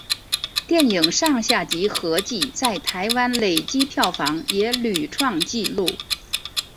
电影上下集合计在台湾累积票房也屡创纪录。